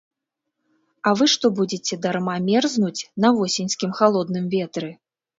А вы што будзеце дарма мерзнуць на восеньскім халодным ветры?!